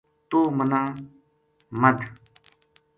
توہ منا مدھ